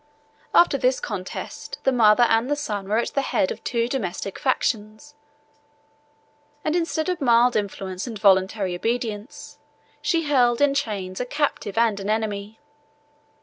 After this contest, the mother and the son were at the head of two domestic factions; and instead of mild influence and voluntary obedience, she held in chains a captive and an enemy.